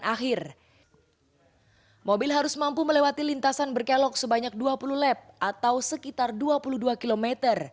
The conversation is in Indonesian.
dan akhirnya mobil harus mampu melewati lintasan berkelok sebanyak dua puluh lap atau sekitar dua puluh dua km